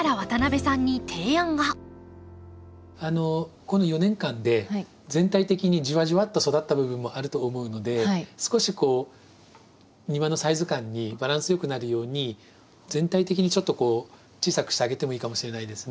この４年間で全体的にじわじわっと育った部分もあると思うので少しこう庭のサイズ感にバランスよくなるように全体的にちょっと小さくしてあげてもいいかもしれないですね。